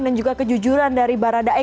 dan juga kejujuran dari baradae